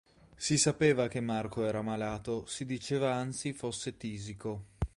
Si sapeva che Marco era malato, si diceva anzi fosse tisico.